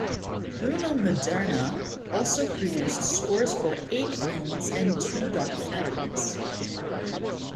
Bruno Maderna also produced scores for eight films and two documentaries.